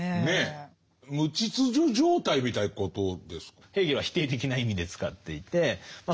無秩序状態みたいなことですか？